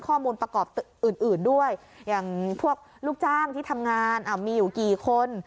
ข้อมูลประกอบอื่นด้วยอย่างพวกลูกจ้างที่ทำงานมีอยู่กี่คน